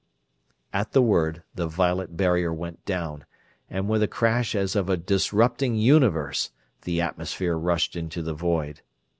At the word the violet barrier went down, and with a crash as of a disrupting Universe the atmosphere rushed into the void.